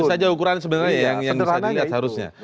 itu saja ukuran sebenarnya yang bisa dilihat harusnya